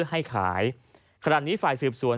ให้ขายขณะนี้ฝ่ายสืบสวน